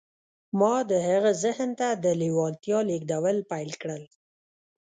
ما د هغه ذهن ته د لېوالتیا لېږدول پیل کړل